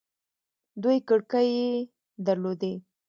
دوې کړکۍ يې در لودې.